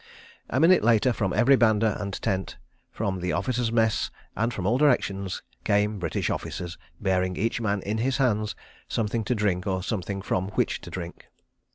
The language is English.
A minute later, from every banda and tent, from the Officers' Mess and from all directions, came British officers, bearing each man in his hands something to drink or something from which to drink.